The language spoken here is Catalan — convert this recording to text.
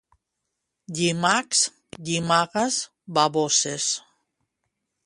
Llimacs - Llimagues - Bavoses